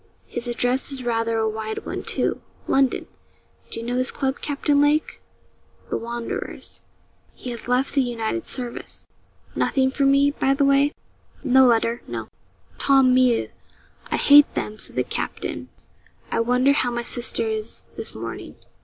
'His address is rather a wide one, too London! Do you know his club, Captain Lake?' 'The Wanderers. He has left the United Service. Nothing for me, by the way?' 'No letter. No.' 'Tant mieux, I hate them,' said the captain. 'I wonder how my sister is this morning.'